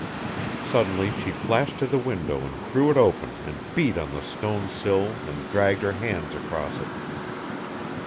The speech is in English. Suddenly she flashed to the window and threw it open and beat on the stone sill and dragged her hands across it.